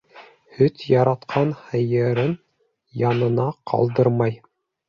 Һөт яраткан һыйырын янынан ҡалдырмай.